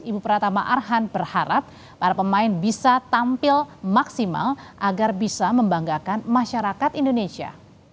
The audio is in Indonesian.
ibu pratama arhan berharap para pemain bisa tampil maksimal agar bisa membanggakan masyarakat indonesia